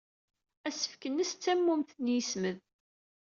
Asefk-nnes d tammumt n yesmed.